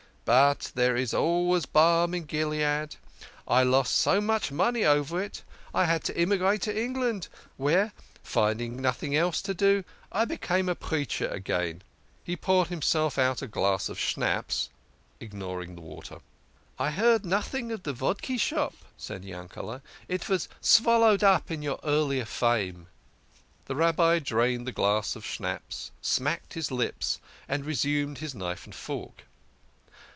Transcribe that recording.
But there is always balm in Gilead. I lost so much money over it that I had to emi grate to England, where, finding nothing else to do, I be came a preacher again." He poured himself out a glass of schnapps, ignoring the water. " I heard nothing of de vodki shop," said Yankele" ;" it vas svallowed up in your earlier fame." The Rabbi drained the glass of schnapps, smacked his lips, and resumed his knife and fork.